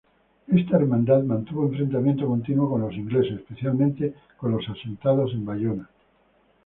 Esta Hermandad mantuvo enfrentamientos continuos con los ingleses, especialmente con los asentados en Bayona.